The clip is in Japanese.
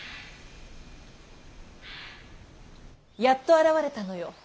やっと現れたのよ